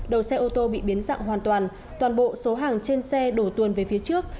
đầu xe ô tô bị biến dạng hoàn toàn toàn bộ số hàng trên xe đổ tuần về phía trước